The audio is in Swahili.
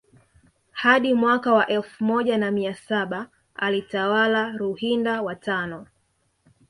Hadi mwaka wa elfu moja na mia saba alitawala Ruhinda wa tano